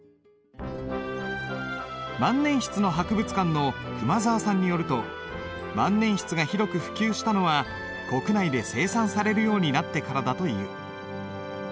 万年筆の博物館の熊澤さんによると万年筆が広く普及したのは国内で生産されるようになってからだという。